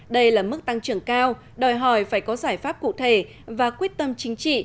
đây là mức tăng trưởng cao đòi hỏi phải có giải pháp cụ thể và quyết tâm chính trị